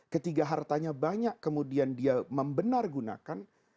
ketika hartanya banyak kemudian dia membenargunakan